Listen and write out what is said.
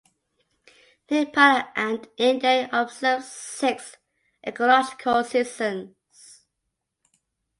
Nepal and India observes six ecological seasons.